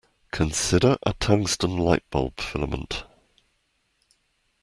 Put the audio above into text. Consider a tungsten light-bulb filament.